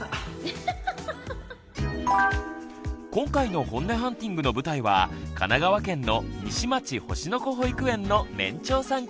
今回のホンネハンティングの舞台は神奈川県の西町星の子保育園の年長さんクラス。